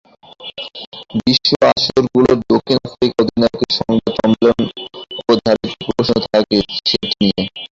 বিশ্ব আসরগুলোয় দক্ষিণ আফ্রিকা অধিনায়কের সংবাদ সম্মেলনে অবধারিত প্রশ্ন থাকে সেটি নিয়ে।